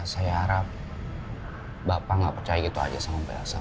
saya harap bapak nggak percaya begitu saja sama bapak elsa